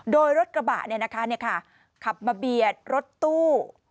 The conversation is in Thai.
โดยรถกระบะเนี่ยนะคะขับมาเบียดรถตู้